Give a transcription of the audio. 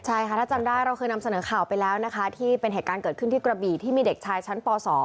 ใช่ค่ะถ้าจำได้เราเคยนำเสนอข่าวไปแล้วนะคะที่เป็นเหตุการณ์เกิดขึ้นที่กระบี่ที่มีเด็กชายชั้นป๒